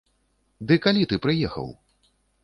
Ды калі ты прыехаў?